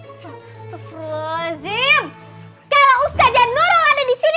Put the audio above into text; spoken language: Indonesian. kalau ustaz jan nural ada di sini mungkin kalian akan dimarahi